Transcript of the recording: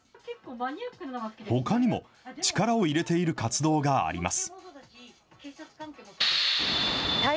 ほかにも、力を入れている活動があります。